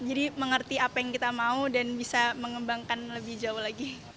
jadi mengerti apa yang kita mau dan bisa mengembangkan lebih jauh lagi